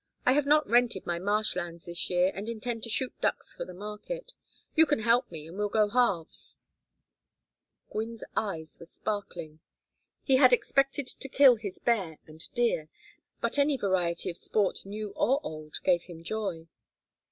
I have not rented my marsh lands this year, and intend to shoot ducks for the market. You can help me and we'll go halves." Gwynne's eyes were sparkling. He had expected to kill his bear and deer, but any variety of sport new or old gave him joy.